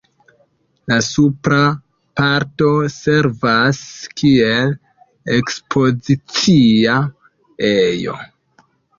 La supra parto servas kiel ekspozicia ejo.